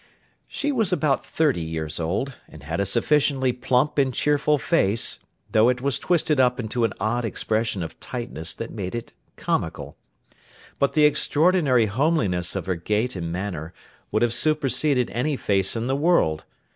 She was about thirty years old, and had a sufficiently plump and cheerful face, though it was twisted up into an odd expression of tightness that made it comical. But, the extraordinary homeliness of her gait and manner, would have superseded any face in the world.